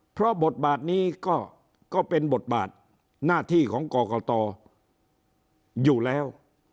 เพราะบทบาทนี้ก็เป็นบทบาทหน้าที่ของกรกตอยู่แล้ว